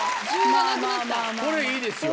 これいいですよ。